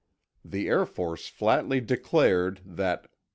The Air Force flatly declared that: 1.